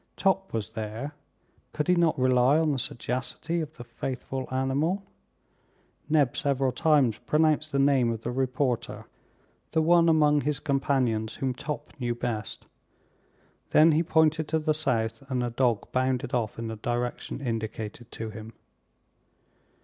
Top was there. Could he not rely on the sagacity of the faithful animal? Neb several times pronounced the name of the reporter, the one among his companions whom Top knew best. Then he pointed to the south, and the dog bounded off in the direction indicated to him.